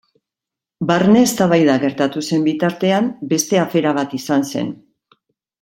Barne eztabaida gertatu zen bitartean beste afera bat izan zen.